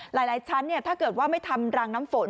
หลายชั้นถ้าเกิดว่าไม่ทำรางน้ำฝน